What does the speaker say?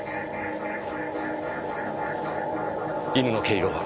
犬の毛色は？